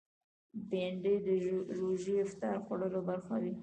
بېنډۍ د روژې افطار خوړلو برخه وي